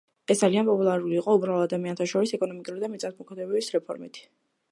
ის ძალიან პოპულარული იყო უბრალო ადამიანთა შორის ეკონომიკური და მიწათმოქმედების რეფორმებით.